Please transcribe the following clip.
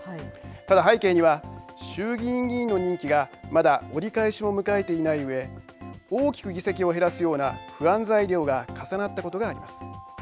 ただ背景には衆議院議員の任期がまだ折り返しも迎えていないうえ大きく議席を減らすような不安材料が重なったことがあります。